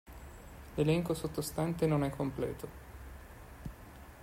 L'elenco sottostante non è completo.